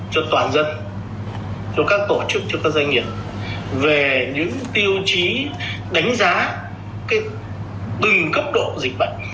cho toàn dân cho các tổ chức cho các doanh nghiệp về những tiêu chí đánh giá từng cấp độ dịch bệnh